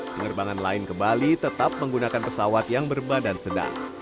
penerbangan lain ke bali tetap menggunakan pesawat yang berbadan sedang